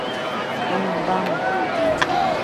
Oĩmbáma.